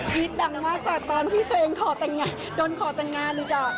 กี๊ดดังมากกว่าตอนที่ตัวเองโดนขอแต่งงานหรือจ่ะ